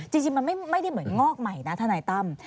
จริงมันไม่ได้เหมือนงอกใหม่นะทนายตั้ม